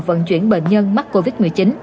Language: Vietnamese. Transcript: vận chuyển bệnh nhân mắc covid một mươi chín